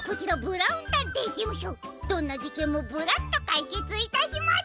どんなじけんもブラッとかいけついたします。